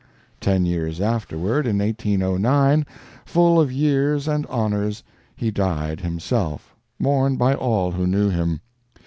Ten years afterward in 1809 full of years and honors, he died himself, mourned by all who knew him.